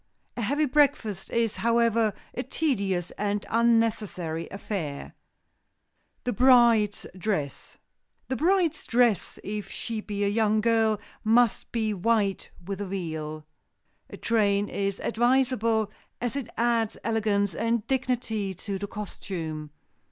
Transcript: A heavy breakfast is, however, a tedious and unnecessary affair. [Sidenote: THE BRIDE'S DRESS] The bride's dress, if she be a young girl, must be white with a veil. A train is advisable, as it adds elegance and dignity to the costume.